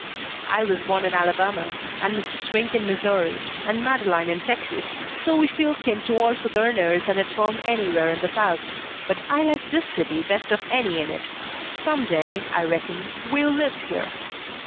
"I was born in Alabama, and Mr. Swink in Missouri, and Madeleine in Texas, so we feel kin to all Southerners and at home anywhere in the South; but I like this city best of any in it. Some day, I reckon, we'll live here."